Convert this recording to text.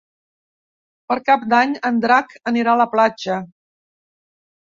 Per Cap d'Any en Drac anirà a la platja.